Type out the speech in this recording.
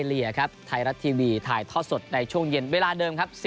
เลียครับไทยรัฐทีวีถ่ายทอดสดในช่วงเย็นเวลาเดิมครับ